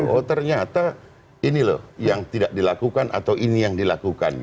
oh ternyata ini loh yang tidak dilakukan atau ini yang dilakukan